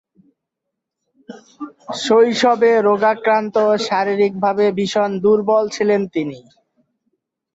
শৈশবে রোগাক্রান্ত ও শারীরিকভাবে ভীষণ দূর্বল ছিলেন তিনি।